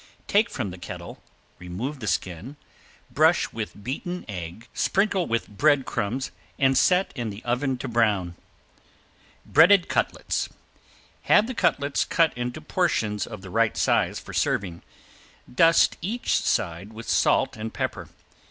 Take from the kettle, remove the skin, brush with beaten egg, sprinkle with bread crumbs and set in the oven to brown. ~BREADED CUTLETS~ Have the cutlets cut into portions of the right size for serving. Dust each side with salt and pepper.